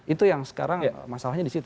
itu yang sekarang masalahnya di situ